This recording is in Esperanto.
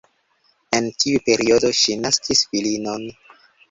En tiu periodo ŝi naskis filinon.